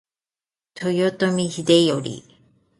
豊臣秀頼